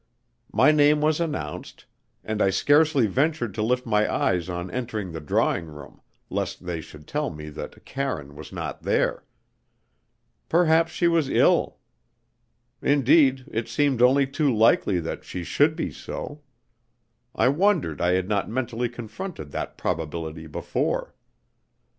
My name was announced, and I scarcely ventured to lift my eyes on entering the drawing room, lest they should tell me that Karine was not there. Perhaps she was ill. Indeed, it seemed only too likely that she should be so. I wondered I had not mentally confronted that probability before.